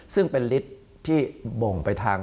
ซึ่งเป็นฤทธิ์ที่บ่งไปทาง